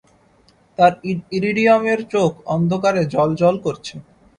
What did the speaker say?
তার ইরিডিয়ামের চােখ অন্ধকারে জ্বল জ্বল করছে।